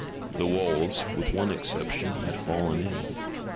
The walls, with one exception, had fallen in.